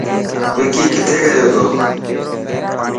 وڪي ڪٿي گيو تي.